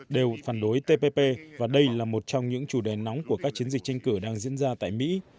đều phản đối tpp và đây là một trong những chủ đề nóng của các chiến dịch tranh cử đang diễn ra tại mỹ